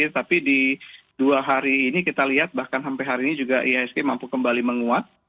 tapi di dua hari ini kita lihat bahkan sampai hari ini juga ihsg mampu kembali menguat